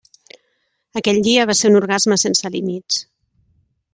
Aquell dia va ser un orgasme sense límits.